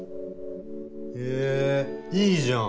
へえいいじゃん！